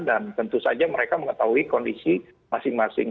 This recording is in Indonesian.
dan tentu saja mereka mengetahui kondisi masing masing